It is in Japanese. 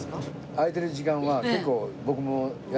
空いてる時間は結構僕もやってたの。